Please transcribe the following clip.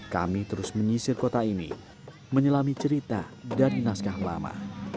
kami terus menyisir kota ini menyelami cerita dari naskah lama